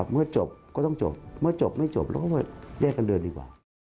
เมื่อจบก็ต้องจบเมื่อจบไม่จบเราก็แยกกันเดินดีกว่า